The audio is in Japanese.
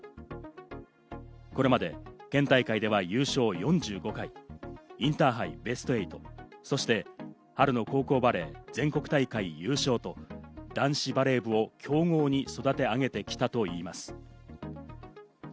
これまで県大会では優勝４５回、インターハイベスト８、そして春の高校バレー、全国大会優勝と男子バレー部を強豪に育て上げてきたといいます。